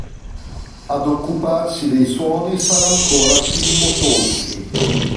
Ad occuparsi dei suoni sarà ancora Timo Tolkki.